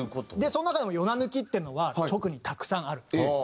その中でも４７抜きっていうのは特にたくさんある。